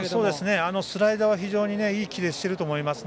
スライダーは非常にいいキレをしていると思います。